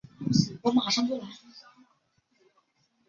肋与脊柱通过关节相连。